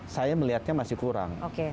saya melihatnya masih kurang